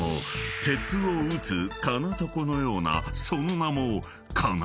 ［鉄を打つ金床のようなその名も］